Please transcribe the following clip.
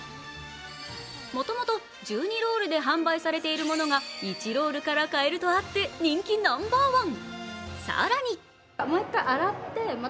もともと、１２ロールで販売されているものが１ロールから買えるとあって人気ナンバーワン。